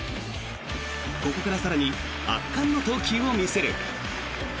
ここから更に圧巻の投球を見せる。